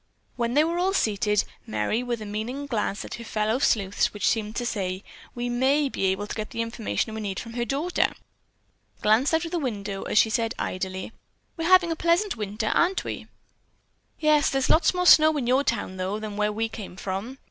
When they were all seated, Merry, with a meaning glance at her fellow sleuths which seemed to say, "We may be able to get the information we need from the daughter," glanced out of the window as she said idly, "We're having a pleasant winter, aren't we?" "Yes, there's lots more snow in your town, though, than where we came from."